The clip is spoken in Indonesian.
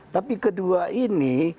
tapi kedua ini